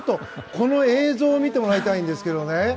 この映像を見てもらいたいんですけどね